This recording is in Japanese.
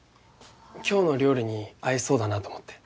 今日の料理に合いそうだなと思って。